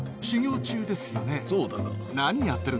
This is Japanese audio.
そうだが。